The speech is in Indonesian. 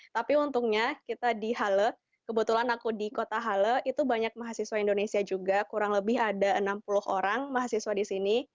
tapi untungnya kita di halo kebetulan aku di kota halo itu banyak mahasiswa indonesia juga kurang lebih ada enam puluh orang mahasiswa di sini